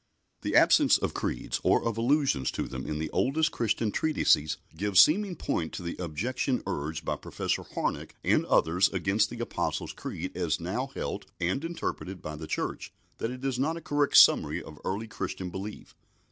The absence of creeds or of allusions to them in the oldest Christian treatises gives seeming point to the objection urged by Professor Harnack and others against the Apostles' Creed as now held and interpreted by the Church, that it is not a correct summary of early Christian belief.